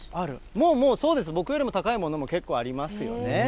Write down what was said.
もうもうそうです、僕よりも高いものも結構ありますよね。